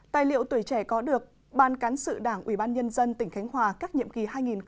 tài liệu tuổi trẻ có được ban cán sự đảng ủy ban nhân dân tỉnh khánh hòa các nhiệm kỳ hai nghìn một mươi sáu hai nghìn một mươi sáu